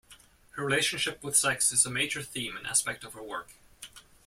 Her relationship with sex is a major theme and aspect of her work.